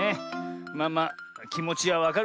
まあまあきもちはわかるからな。